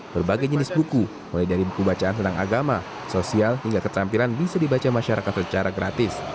berbagai jenis buku mulai dari buku bacaan tentang agama sosial hingga ketampilan bisa dibaca masyarakat secara gratis